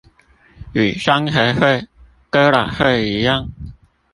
與三合會、哥老會一樣